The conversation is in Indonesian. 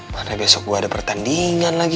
pada besok gue ada pertandingan lagi